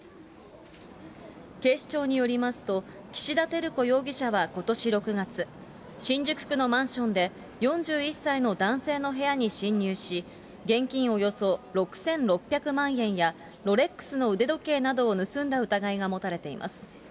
警視庁によりますと、岸田照子容疑者はことし６月、新宿区のマンションで４１歳の男性の部屋に侵入し、現金およそ６６００万円やロレックスの腕時計などを盗んだ疑いが持たれています。